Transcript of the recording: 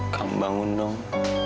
kamu bangun dong